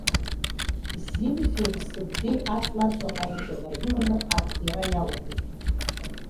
Зимфеи Мсыгәдеи аҵла аҵаҟа аишәа наргыланы архиара иалагоит.